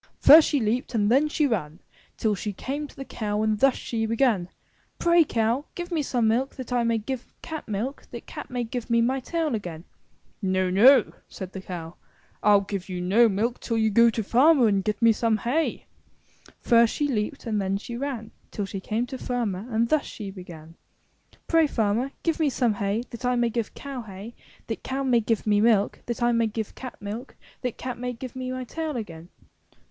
*' '"^First she leaped and then she ran Till she came to the cow and thus she began; "Pray, Cow, give me some milk that I may give cat milk, that cat may give me my tail again.'' "No, no," said the cow. "I'll give you no milk till you go to the farmer and get me some hay." First she leaped and then she ran ^5^(^ Till she came to the farmer and thus she began: "Pray, Farmer, give me some hay that I may give cow hay, that cow may give me milk, that I may give cat milk, that cat may give me my tail again."